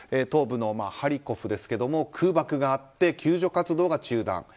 東部のハリコフですけど空爆があって救助活動が中断。